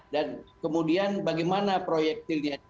dan kemudian bagaimana proyektilnya